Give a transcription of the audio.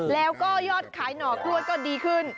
แล้วก็ยอดขายหน่อกล้วยก็ดีขึ้น